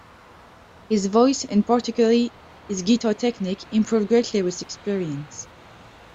His voice, and particularly his guitar technique, improved greatly with experience.